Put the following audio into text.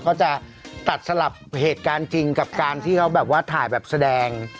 ก็จะตัดสลับเหตุการณ์จริงกับการที่เขาแบบว่าถ่ายแบบแสดง